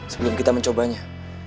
sebelum kita mencobanya